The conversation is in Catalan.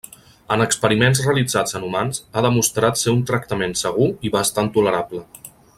En experiments realitzats en humans ha demostrat ser un tractament segur i bastant tolerable.